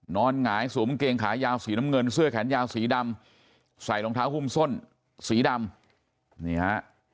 หงายสวมเกงขายาวสีน้ำเงินเสื้อแขนยาวสีดำใส่รองเท้าหุ้มส้นสีดำนี่ฮะ